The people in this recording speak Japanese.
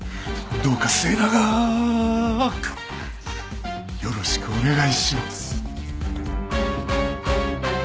どうか末永くよろしくお願いします。